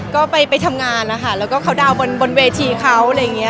ก็ไปทำงานแล้วก็เข้าดาวน์บนเวทีเขา